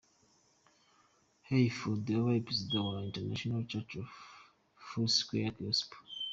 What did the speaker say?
Hayford, wabaye Perezida wa the International Church of the Foursquare Gospel.